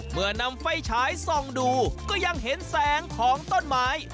เมื่อนำไฟฉายส่องดูก็ยังเห็นแสงของต้นไม้